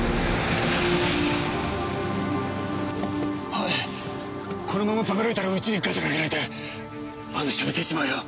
おいこのままパクられたらうちにガサかけられてあのシャブ出ちまうよ。